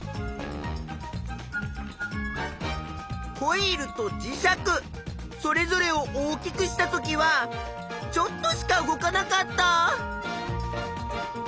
コイルと磁石それぞれを大きくしたときはちょっとしか動かなかった。